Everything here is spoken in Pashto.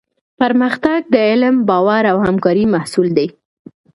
پرمختګ د علم، باور او همکارۍ محصول دی.